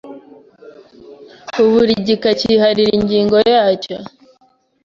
uburi gika kiharira ingingo yacyo,